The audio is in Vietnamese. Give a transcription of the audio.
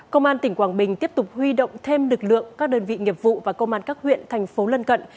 công an tỉnh quảng bình tiếp tục huy động thêm lực lượng các đơn vị nghiệp vụ và công an các huyện thành phố lân cận